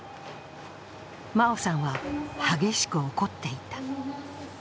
真生さんは激しく怒っていた。